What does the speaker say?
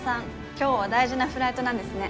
今日は大事なフライトなんですね。